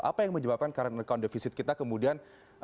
apa yang menyebabkan current account deficit kita kemudian